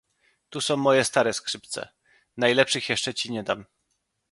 "Tu są moje stare skrzypce; najlepszych jeszcze ci nie dam!"